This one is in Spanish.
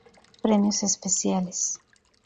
Premios especiales